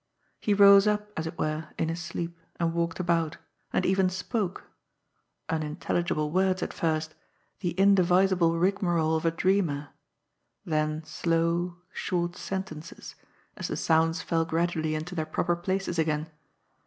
He rose up, as it were, in his sleep, and walked about, and even spoke — ^unintelligible words at first, the indivisible rigmarole of a dreamer ; then slow, short sentences, as the sounds fell gradually into their proper places again.